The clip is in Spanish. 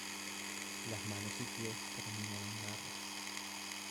Las manos y pies terminan en garras.